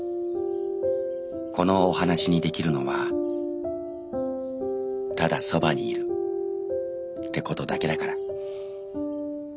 このお話にできるのはただそばにいるってことだけだから」。